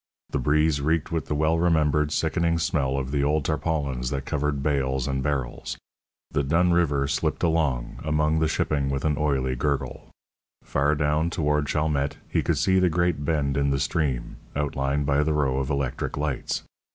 The breeze reeked with the well remembered, sickening smell of the old tarpaulins that covered bales and barrels. The dun river slipped along among the shipping with an oily gurgle. Far down toward Chalmette he could see the great bend in the stream, outlined by the row of electric lights.